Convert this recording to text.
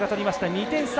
２点差。